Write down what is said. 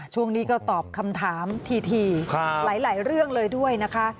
ช่วงนี้ก็ตอบคำถามทีหลายเรื่องเลยด้วยนะคะ